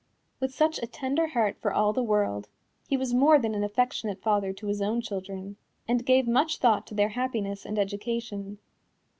With such a tender heart for all the world, he was more than an affectionate father to his own children, and gave much thought to their happiness and education.